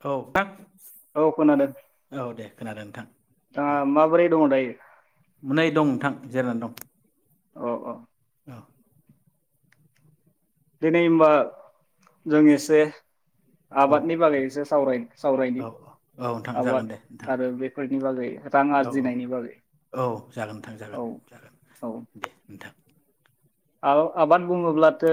औ औ खोनादों औ दे खोनादों नोंथां दा माबोरै दङ दायो? मोनै दं नोंथां जिरायनानै दं। औ औ [inaudible] दिनै होमबा जों एसे औ आबादनि नोंथां बागैसो इसे औ सावराय-सावरायनि औ नोंथां जागोन आबाद दे नोंथां आरो बेफोरनि बागै रां औ आरजिनायनि बागै औ जागोन नोंथां जागोन औ जागोन औ दे नोंथां आबा-आबाद बुङोब्लाथो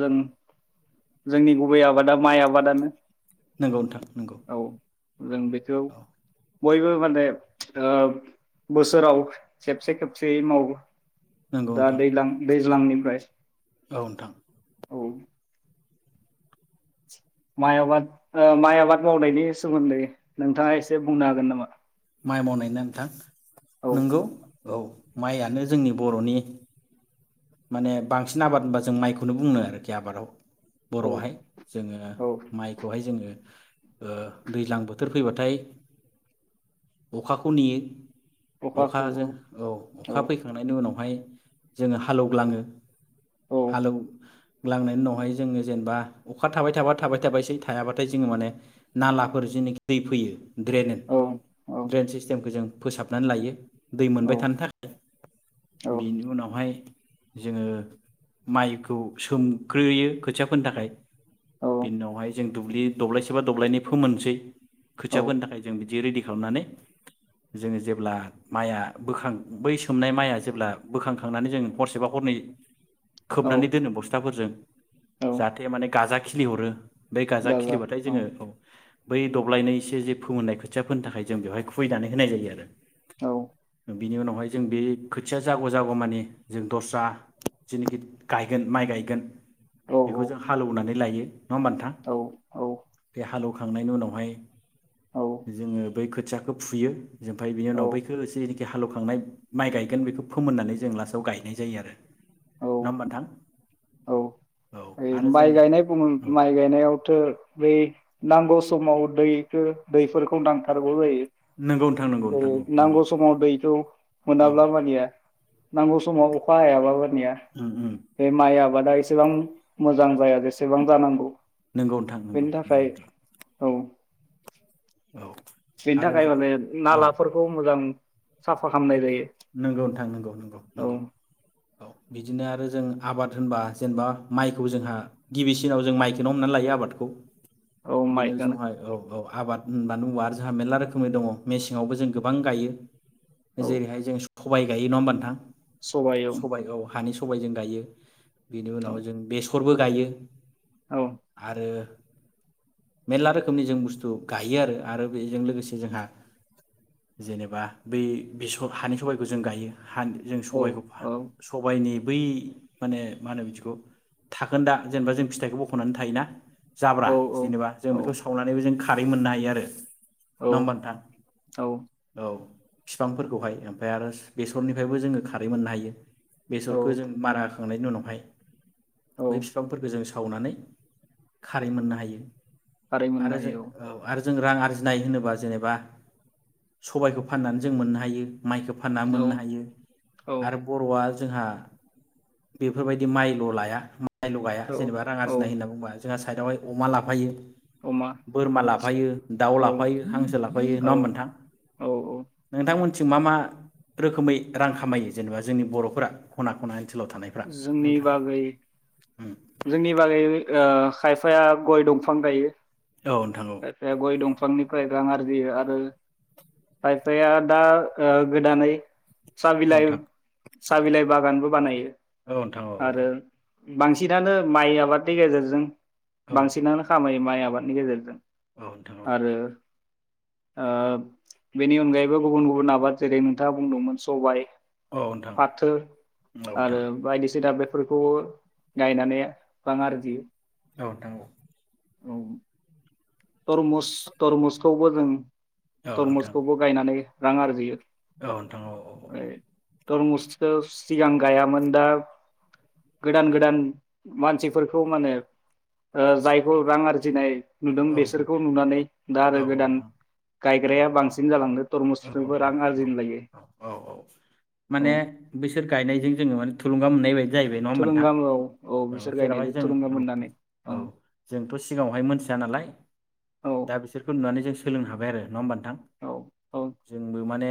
जों जोंनि गुबै आबादा माइ आबादानो। नंगौ नोंथां नंगौ औ जों बेखौ औ बयबो माने बोसोराव खेबसे खेबसेयै मावो। नंगौ दा नोंथां दैलां दै ज्लांनिफ्राय औ नोंथां माइ आबाद माइ आबाद मावनायनि सोमोन्दै नोंथाङा एसे बुंनो हागोन नामा? माइ मावनाय ना नोंथां औ नोंगौ औ माइयानो जोंनि बर'नि माने बांसिन आबाद होनबा जों माइखौनो बुंनो आरोखि आबादाव। औ बर'आहाय जोङो औ माइखौहाय जोङो ओ दैज्लां बोथोर फैबाथाय अखाखौ नेयो। अखाखौ अखाजों औ अखा फैखांनायनि उनावहाय जोङो हाल एवग्लाङो। औ हालौ ग्लांनायनि उनावहाय जोङो जेनेबा अखा थाबाय थाबा थाबाय थाबायसै थायाबाथाय जोङो माने नालाफोर जेनोखि दै फैयो। औ औ ड्रेन-ड्रेन सिस्टेमखौ जों फोसाबनानै लायो। दै औ मोनबाय थानो थाखाय बेनि उनावहाय जोङो माइ खौ सोमग्रोयो खोथिया फोनो थाखाय। बिनि उनावहाय जों दुब्लि दब्लायसेबा दब्लायनै फोमोनसै औ खोथिया फोनो थाखाय जों बिदि रेडि खालामनानै जों जेब्ला माइआ बोखां बै सोमनाय माइआ जे बोखांखांनानै जों हर सेबा हरनै औ खोबनानै दोनो बस्थाफोरजों औ जाहाथे माने गाजा खिलि हरो। बे गाजा खिलिबाथाय जोङो औ बै दब्लायनैसो जि फोमोननाय खोथिया फोनो थाखाय जों बेवहाय खुबैनानै होनाय जायो आरो। औ बिनि उनावहाय जों बे खोथिया जाग'-जाग' माने जों दस्रा जेनोखि गायगोन माइ गायगोन। औ बेखौ जों हालौनानै लायो। नङा होमबा नोंथां औ बे हालौ खांनायनि उनावहाय औ जोङो बै खोथियाखौ फुयो ओमफाय बिनि औ उनाव बैखो जेनिखि हालेवखांनाय माइ गायगोन बेखौ फोमोननानै जों लास्टाव गायो। नाय जायो आरो नङा होमबा नोंथां। औ औ आरो जों माइ गायनाय बुङो औ माइ गायनायावथ' बै नांगौ समाव दैखो दैफोरखौ नांथारगौ जायो। नंगौ नोंथां नंगौ नोंथां जेरै औ नंगौ नांगौ समाव दैखौ औ मोनाब्ला मानिया नांगौ समाव अखा हायाबाबो निया उम उम बे माइयाव आबादा एसेबां मोजां जाया जेसेबां जानांगौ नंगौ नोंथां बेनि थाखाय औ औ बेनि आरो थाखाय जों माने औ नालाफोरखौ मोजां साफा खालामनाय जायो नंगौ औ नोंथां औ बिदिनो आरो जों आबाद होनबा जेनेबा माइखौ जोंहा गिबिसिनाव जों माइखौनो हमनानै लायो आबादखौ औ बेनो माइखौनो जहाय औ औ आबाद होनबा नो आरो जोंहा मेरला रोखोमै दंङ मेसेंङावबो जों गोबां गायो औ जेरैहाय सबाय गायो ना होमबा नोंथां सबाय औ हानि सबायजों गायो बेनि उनाव जों बेसर खरबो गायो औ आरो मेरला रोखोमनि जों बुस्थु गायो आरो आरो बेजों लोगोसे जोंहा जेनेबा बै बिसर हानि सबाइखौ जों गायो हान जों सबायखौ औ सबायनि बै माने मा होनो बिदिखौ थाखोन दा जेनेबा जों फिथाइखौ बखनानै थायोना जाब्रा औ जेनेबा जों बेखौ सावनानैबो जों खारै मोननो हायो आरो औ नंङा होमबा औ फिफांफोरखौहाय फाय आरो बेसरनिफ्रायबो जोंङो खारै मोननो हायो। औ बेसरखौ जों मारा हो थांनायनि उनावहाय बै औ बिफांफोरखौ जों सावनानै खारै मोननो हायो खारै मोननो आरो जों हायो औ आरो जों रां आरजिनाय होनोबा जेनेबा सबायखौ फाननानै जों मोननो हायो माइखौ फानना औ मोननो हायो औ आरो बरआ जोंहा बेफोरबायदि माइल' लाया आयल' गाया औ जेनेबा रां औ आरजिनाय होनना बुंबा जोंहा साइडआवहाय अमा लाफायो अमा बोरमा लाफायो दाउ औ लाफायो हांसो लाफायो औ नङा होनबा नोंथां औ औ नोंथांमोन ओ मा मा रोखोमै रां खामायो जेनेबा जोंनि बर'फोरा खना खना ओनसोलाव थानायफ्रा जोंनि नोंथाङा बागै जोंनि बागै ओ खायफाया गय दंफां गायो नोंथां औ ए ए गय दंफांनि खै रां आरजियो आरो खायफाया दा ओ गोदानै औ साबिलाइ नोंथां साबिलाइ बागानबो बानायो औ नोंथां औ औ औ बांसिन जिदानो माइ आबादनि गेजेरजों बांसिनानो खामायो माइ आबादनि गेजेरजों औथ' आरो ओ बिनि अनगायैबो गुबुन गुबुन आबाद जेरै नोंथाङा बुंदोंमोन सबाय औ नोंथां औ नोंथां औ नोंथां औ नोंथां औ नोंथां फाथो औ आरो औ बायदिसिना बे बेफोरखौबो गायनानै बां आरजियो औ नोंथां औ औ तरमुस तरमुसखौबो जों औ नोंथां औ तरमुसखौबो गायनानै रां आरजियो औ नोंथां औ औ औ। थरमुसखौ सिगां गायामोन दा गोदान -गोदान मानसिफोरखौ माने ओ जायखौ रां आरजिनाय नुदों बेस बिसोरखौ नुनानै दा आरो गोदान गायग्राया बांसिन जालांदों थरमुस फोरबो औ रां आरजिनो लागै औ औ औ औ। थुलुंगाम मोन्नाय बायदि। जाहैबाय नङा होमबा नोंथां थुलुंगा औ औ बिसोर जेरावहाय गायनायजों जों थुलुंगा मोननानै औ। सिगांआवहाय मोनसे नालाय औ दा बिसोरखौ नुनानै जों सोलोंनो हाबाय आरो नङा होमबा नोंथां औ औ जोंबो माने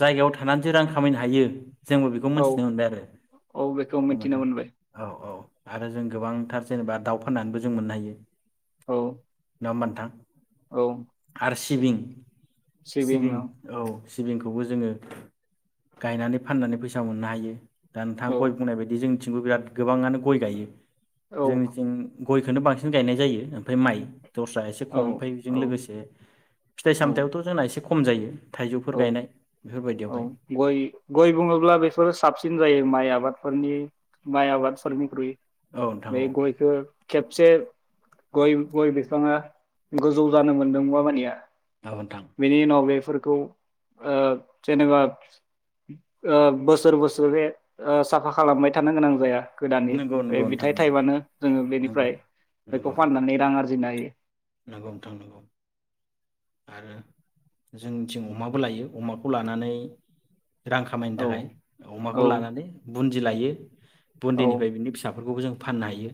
जायगायाव थानानैसो रां खामायनो हायो जोंबो बेखौ औ मोनथिनो मोनबाय आरो औ बेखौ नंगौ मिथिनो नोंथां मोनबाय औ औ। आरो जों गोबांथार जेनेबा दाउ फाननानैबो जों मोननो हायो। औ। नङा होनबा नोंथां। औ। आरो सिबिं सिबिं औ। सिबिंखौबो जोङो गायनानै फाननानै फैसा मोननो हायो। दा नोंथाङा औ गय बुंनाय बायदि जों थिंबो बिराद गोबाङानो गय गायो। औ जोंनिथिं गयखौनो बांसिन गायनाय जायो। ओमफ्राय माइ दस्रा एसे खम औ ओमफ्राय बेजों औ लोगोसे फिथाइ-सामथायाबोथ' जोंना एसे खम जायो। थाइजौफोर औ गायनाय औ बेफोरबायदियावहाय गय-गय बुङोब्ला बेफोरो साबसिन जायो माइआ आबफोरनि माइ आबाद फोरनिख्रुइ औ नोंथां बै औ गयखौ खेबसे गय-गय बिफाङा गोजौ जानो मोनदों बाबानिया। औ नोंथां बिनि उनाव बे फोरखौ ओ जेनेबा ओ बोसोर बोसोर ओ साफा खालामबाय थानो गोनां जाया। गोदाननि नंगौ नंगौ बे नोंथां बिथाइ नंगौ टाइबानो जोङो नंगौ बेनिफ्राय बेखौ नंगौ फाननानै रां आरजि दि नायै नंगौ नोंथां नंगौ आरो जोंनिथिं अमाबो लायो अमाखौ लानानै रां खामायनो औ थाखाय अमाखौ औ लानानै ब बुन्दि लायो। औ बुन्दैनिफ्राय बिनि फिसाफोरखौबो जों फाननो हायो।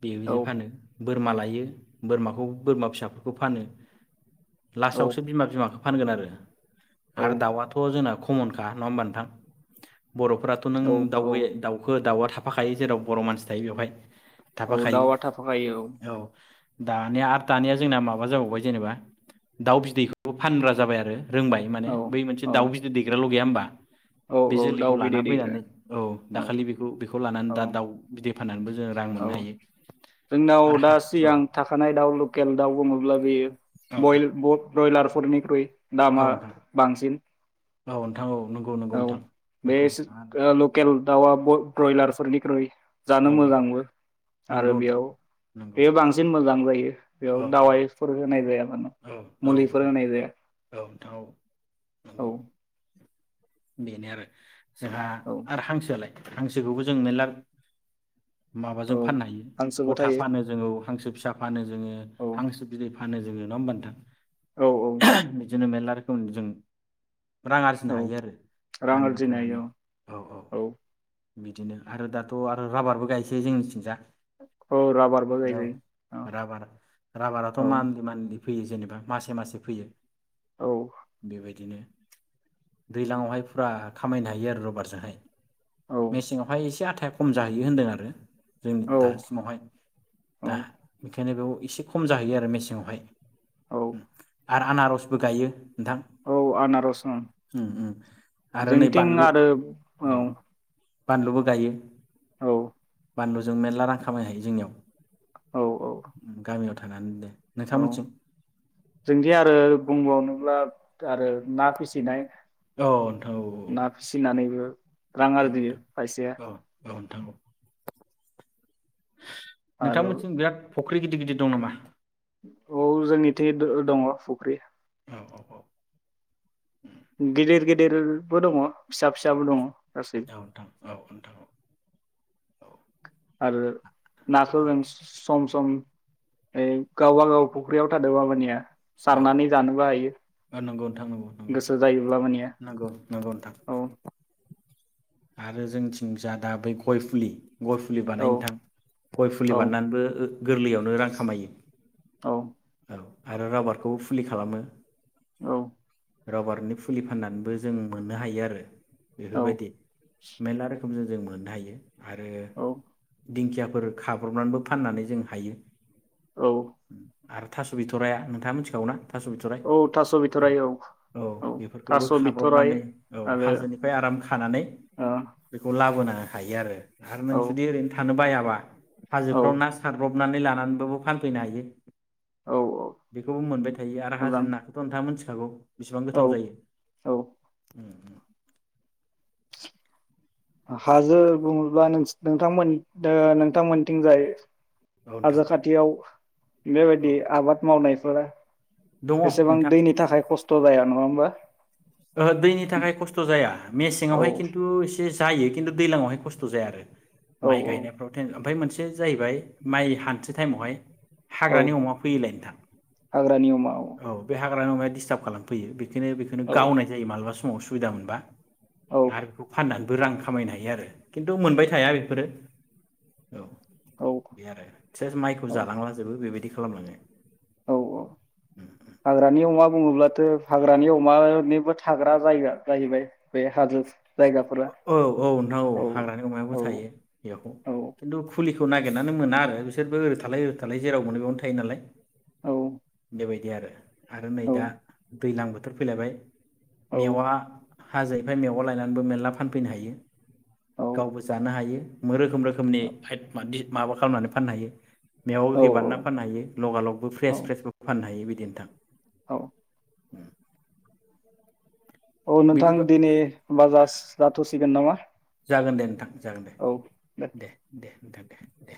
बे बिदि फानो। औ बोरमा लायो। बोरमाखौ बोरमा फिसाफोरखौ फानो। औ लास्टआवसो बिमा बिमाखौ फानगोन आरो। औ आरो दावाआथ' जोंना खमनखा नङा होमबा नोंथां? बर'फोराथ' नों औ दाव औ दाउखो दाउ थाफा खायो जेराव बर' मानसि थायो बेवहाय औ थाफाखायो दावा थाफाखायो औ‌। औ दानिया आरो दानिया जोंना माबा जाबावबाय जेनेबा दाउ बिदैखौ फानग्रा जाबाय आरो। रोंबाय माने औ बै मोनसे औ दाउ बिदै दैग्राल' गैया होमबा। औ [inaudible] बे औ दाउ जोलैखौ लाना बिदै दैग्रा फैनानै औ दाखालि बेखौ बेखौ खौ लानानै औ दा दाउ बिदि फाननानैबो जों रां औ मोननो हायो जोंनाव आरो दा हा औ सिगां था खानाय दाउ लकेल दाउ बुङोब्ला बेयो औ नोंथां बयल ब्रइलार फोरनिख्रुइ औ दामा नोंथां बांसिन औ नोंथां औ नंगौ नंगौ औ नोंथां बे नंगौ स लकेल दावा बय ब्रइलारफोरनिख्रुय। जानो नंगौ मोजांबो। आरो नंगौ नोंथां बेयाव नंगौ बेयो बांसिन मोजां जायो औ बेयाव दावायफोर होनाय जाया। औ मुलिफोर नोंथां होनाय जाया औ नोंथां औ औ। नंगौ बेनो आरो जोंहा औ आरो हांसोआलाय? हांसोखौबो जों मेल्ला माबाजों औ फाननो हायो हांसोबो गथा थायो फानो जोङो हांसो फिसा फानो जोङो औ हांसो बिदै फानो जोङो। नङा होमबा नोंथां? औ औ। बिदिनो मेल्ला रोखोमनि जों रां आरजिनो औ हायो आरो रां गामियाव आरजिनो थानानै हायो औ औ। बिदिनो आरो दाथ' आरो राबारबो गायसोय जोंनिथिंजा। औ राबारबो गायजायो औ राबा-राबार-राबाराथ' औ मानलि मानलि फैयो जेनेबा मासे मासे फैयो। औ बेबायदिनो दैज्लांआवहाय फुरा खामायनो हायो आरो रबारजोंहाय। औ मेसेंआवहाय एसे आ थाया खम जाहैयो होनदों आरो। जोंनि औ दासिमावहाय दा बेंखायनो बेयाव एसे खम जाहैयो आरो मेसेंआवहाय। औ औ उम। आरो आनारसबो गायो। औ आनारस ओं उम उम आरो नै जोंथिं बानलु आरो औ बानलुबो गायो। औ। बानलुजों मेरला रां खामायनो हायो जोंनियाव। औ औ। गामियाव थानानैनो। नोंथां औ मोनथिं जोंदि आरो बुंबावनोब्ला आरो ना फिसिनाय औ नोंथां औ औ। ना फिसिनानैबो रां औ आरजियो नोंथां खायसेया। औ औ नोंथां औ। नोंथां आरो मोनथिं बिराद फख्रि गिदिर गिदिर दं नामा? औ जोंनिथि दो दङ फुख्रि औ औ औ गिदिर गिदिरबो दङ फिसा फिसाबो दङ। गासै औ नोंथां औ नोंथां औ। आरो औ [unintelligible] सम सम ओ गावबागाव फुख्रियाव थादों मामानिया। सारनानै जानोबो हायो। औ नंगौ नोंथां नंगौ नंगौ गोसो जायोब्ला मानिया नौ नंगौ नोंथां। औ आरो जोंथिंज दा बै गय फुलि। गय फुलि औ बानायनो थां गय फुलि औ बानायनानैबो ओ। गोरलैयावनो रां खामायो। औ। औ आरो राबारखौबो फुलि खालामो औ राबारनि फुलि फाननानैबो जों मोननो हायो आरो औ बेफोरबायदि। मेरला रोखोमजों जों मोननो हायो आरो औ दिंखियाफोर खाब्रबनानैबो फाननानै जों हायो। औ। आरो थास' बिथ'राया नोंथाङा मिथिगौ ना? थास' बिथ'राय औ थास' औ बिथ'राय औ बेफोरखौबो थास' बिथ'राय खाब्र'बनानै औ आरो हाजोनिफ्राय आराम खानानै बेखौनो लाबोनो हायो आरो। आरो नों ओ जुदि ओरैनो थानो बाया [unintelligible] औ हाजोफ्राव ना सारबाव हबनानै लानानैबाबबो फानफैनो हायो। औ औ बेखौबो मोनबाय थायो आरो मोजां हाजो नाखौथ' नोंथाङा मोनथिखागौ बेसेबां औ गोथाव जायो। औ हाजो बुङोब्ला नोंथांमोन ओ नोंथांमोनथिंजाय औ नोंथां हाजो खाथियाव बेबायदि औ आबाद मावनाय दङ [unintelligible] एसेबां नोंथां दैनि थाखाय खस्थ' थ'बायाय न होमबा। ओहो दैनि थाखाय खस्थ' जाया औ मेसेङावहाय खिन्थु एसे जायो खिन्थु दैज्लाङावहाय खस्थ' जाया आरो। औ माइ औ गायनायफ्रावथेन ओमफ्राय मोनसे मोनसे जाहैबाय माइ हानस टाइमावहाय औ हाग्रानि अमा फैयलाय नोंथां हाग्रानि अमा औ बे हा ह अमाया दिस्टारप खालामफैयो बेखौनो बेखौ औ गावनायायो मालबा समाव समाव सुबिदा मोनबा। औ आरो बेखौ फाननानै बो रां खामायनो हायो आरो खिन्थु मोनबाय थाया बेफोरो औ बे आरो सेस माइखौ औ जालांला जोबो बेबायदि खालामलाङो औ औ हाग्रानि अमा बुङोब्लाथ' हाग्रानि अमानिबो थाग्रा जायगा जाहैबाय बे हाजो जायगाफोरा औ औ नोंथां औ हाग्रानि अमायाबो औ थायो बिखौ औ खिन्थु फुलिखौ नागिरनानै मोना आरो बिसोरबो ओरै थालाय ओरै थालाय जेराव मोनो बेयावनो थायो नालाय औ बेबायदि आरो। आरो नै औ दा दैज्लां बोथोर फैलायबाय औ मेवा हाजोनिफफ्राय मेवआव लायनानैबो मेरला हायो औ गावबो जानो हायो रोखोम रोखमनि [unintelligible] खालामनानै फाननो हायो मेयाव औ हो बानानै फाननो हायो लगालगबो फ्रेस औ फेसबो फाननो हायो बिदि नोथां औ उम औ नोंथां दिनै बाजाज जाथ'सिगोन नामा? जागोन दे नोंथां जागोन दे दे दे नोंथां दे दे